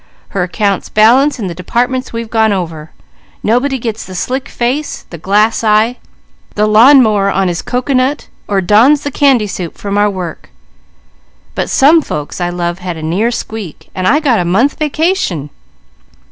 Her accounts balance in the departments we've gone over. Nobody gets the slick face, the glass eye, the lawn mower on his cocoanut, or dons the candy suit from our work; but some folks I love had a near squeak, and I got a month vacation!